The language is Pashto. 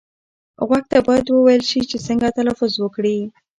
غوږ ته باید وویل شي چې څنګه تلفظ وکړي.